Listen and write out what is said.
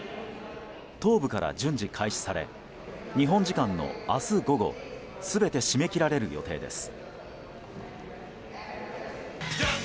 東部から順次開始され日本時間の明日午後全て締め切られる予定です。